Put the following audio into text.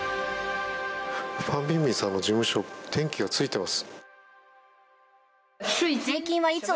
ファン・ビンビンさんの事務所、電気がついています。